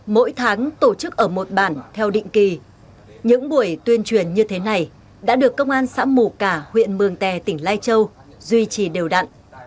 mỗi tháng tổ chức ở một bản theo định kỳ những buổi tuyên truyền như thế này đã được công an xã mù cả huyện mường tè tỉnh lai châu duy trì đều đặn